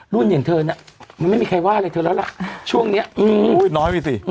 อย่างเธอน่ะมันไม่มีใครว่าอะไรเธอแล้วล่ะช่วงเนี้ยอืมอุ้ยน้อยไปสิ